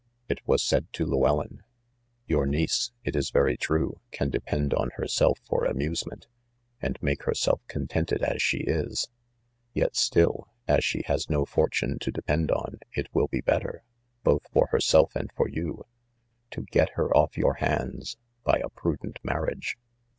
It was said to Llewellyn —" your niece, it is very true, can depend on herself for amuse ment, and make herself contented as she is^ yet still, as she has no fortune to depend on, it will be better, both for herself and for you, to get her off your hands by a prudent marriage.